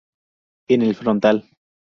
En el frontal.